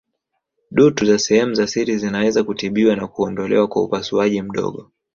Dutu za sehemu za siri zinaweza kutibiwa na kuondolewa kwa upasuaji mdogo